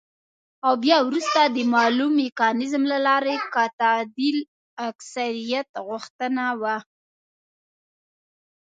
او بيا وروسته د مالوم ميکانيزم له لارې که تعديل د اکثريت غوښتنه وه،